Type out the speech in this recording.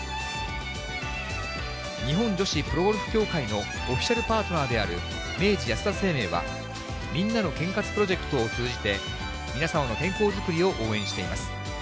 日本女子プロゴルフ協会のオフィシャルパートナーである明治安田生命は、みんなの健活プロジェクトを通じて、皆様の健康作りを応援しています。